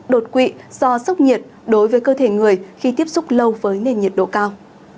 đột quỵ do sốc nhiệt đối với cơ thể người khi tiếp xúc lâu với nền nhiệt độ cao